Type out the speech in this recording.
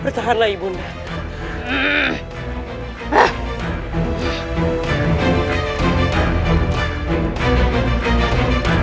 pertahanlah ibu undah